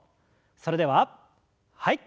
それでははい。